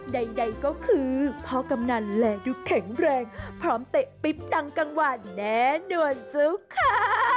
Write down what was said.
ใดก็คือพ่อกำนันและดูแข็งแรงพร้อมเตะปิ๊บดังกลางวันแน่นอนเจ้าค่ะ